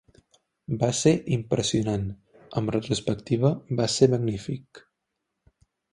Va ser impressionant; amb retrospectiva, va ser magnífic.